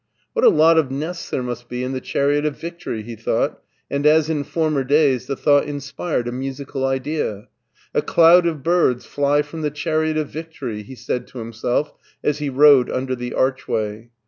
"What a lot of nests there must be in the chariot of Victory," he thought and as in former days the thought inspired a musical idea. " A cloud of birds fly from the chariot of Victory," he said to himself as he rode under the archway.